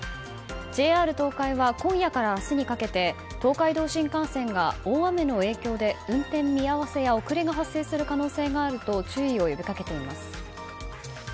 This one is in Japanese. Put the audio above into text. ＪＲ東海は今夜から明日にかけて東海道新幹線が大雨の影響で運転見合わせや遅れが発生する可能性があると注意を呼びかけています。